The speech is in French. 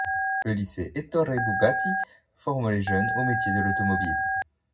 Le lycée Ettore-Bugatti forme les jeunes aux métiers de l'automobile.